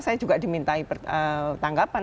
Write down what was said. saya juga diminta tanggapan